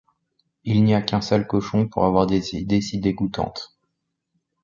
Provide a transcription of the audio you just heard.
Il n’y a qu’un sale cochon pour avoir des idées si dégoûtantes...